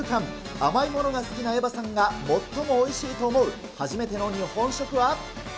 甘いものが好きなエヴァさんが最もおいしいと思う、初めての日本食は？